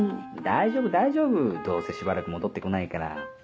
大丈夫大丈夫どうせしばらく戻って来ないから。